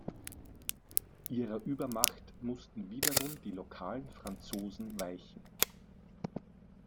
Ihrer Übermacht mussten wiederum die lokalen Franzosen weichen.